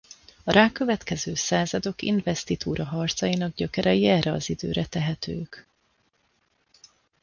A rákövetkező századok invesztitúraharcainak gyökerei erre az időre tehetők.